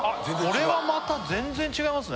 これはまた全然違いますね